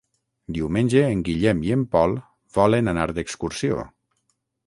Diumenge en Guillem i en Pol volen anar d'excursió.